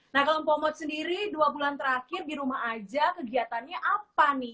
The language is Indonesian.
nah kalau mpomot sendiri dua bulan terakhir di rumah aja kegiatannya apa nih